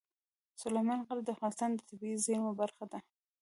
سلیمان غر د افغانستان د طبیعي زیرمو برخه ده.